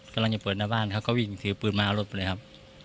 กำลังจะเปิดหน้าบ้านเขาก็วิ่งถือปืนมาเอารถไปเลยครับ